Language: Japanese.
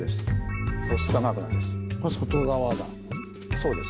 そうです。